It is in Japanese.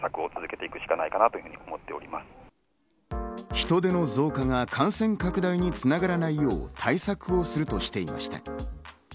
人出の増加が感染拡大に繋がらないよう、対策をするとしていました。